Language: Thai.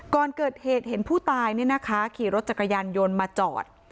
ก่อนเกิดเหตุเห็นผู้ตายขี่รถจักรยานยนต์มาจอด